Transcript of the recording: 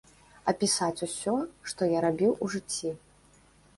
Апісаць усё, што я рабіў у жыцці.